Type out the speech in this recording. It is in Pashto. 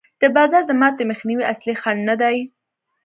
د بازار د ماتې مخنیوی اصلي خنډ نه دی.